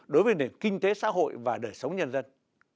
đối với nền kinh tế xã hội và đời sống nhân dân